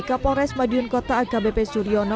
kapolres madiun kota akbp suryono